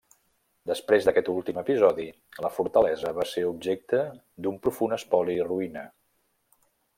Després d'aquest últim episodi, la fortalesa va ser objecte d'un profund espoli i ruïna.